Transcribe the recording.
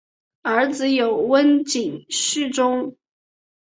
儿子有温井续宗。